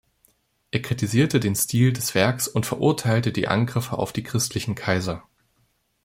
Er kritisierte den Stil des Werks und verurteilte die Angriffe auf die christlichen Kaiser.